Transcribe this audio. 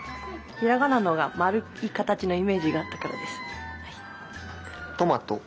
ひらがなのほうがまるいかたちのイメージがあったからです。